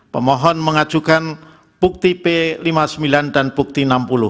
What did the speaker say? pemohon mengajukan bukti p lima puluh sembilan dan bukti enam puluh